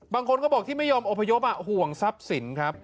บางคนก็บอกที่ไม่ยอมอพยพห่วงทรัพย์สินครับ